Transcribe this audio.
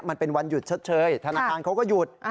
มันเป็นวันหยุดชดเชยธนาคารเขาก็หยุด